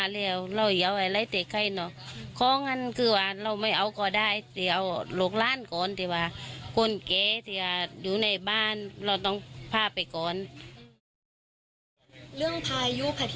เรื่องพายุแผ่นที่แบบนี้เรามีความเชื่อไหม